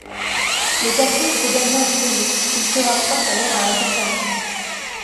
Le caleçon peut également être long, il se rapproche alors à un pantalon.